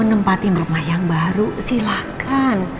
menempatin rumah yang baru silahkan